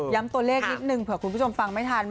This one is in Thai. ตัวเลขนิดนึงเผื่อคุณผู้ชมฟังไม่ทัน